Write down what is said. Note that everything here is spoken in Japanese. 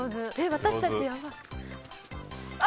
私たち、やばい。